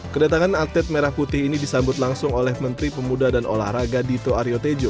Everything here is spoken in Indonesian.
kedatangan atlet merah putih ini disambut langsung oleh menteri pemuda dan olahraga dito aryo tejo